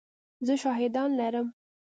زه شاهدان لرم !